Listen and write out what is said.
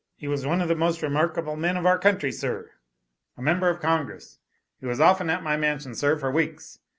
He was one of the most remarkable men of our country, sir. A member of congress. He was often at my mansion sir, for weeks.